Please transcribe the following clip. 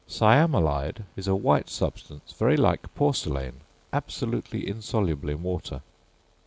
Cyamelide is a white substance very like porcelain, absolutely insoluble in water.